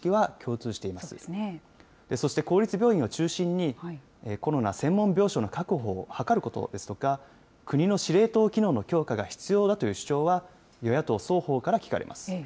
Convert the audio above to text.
そして公立病院を中心に、コロナ専門病床の確保を図ることですとか、国の司令塔機能の強化が必要だという主張は、与野党双方から聞かれます。